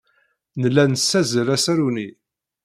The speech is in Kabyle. Nella nessazzal asaru-nni.